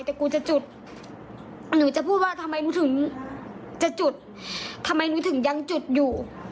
แต่กูจะจุดหนูจะพูดว่าทำไมหนูถึงจะจุดทำไมหนูถึงยังจุดอยู่